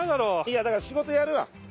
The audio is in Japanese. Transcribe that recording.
やだから仕事やるわ。